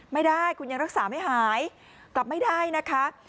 ไม่ได้คุณยังรักษาไม่หายกลับไม่ได้นะคะ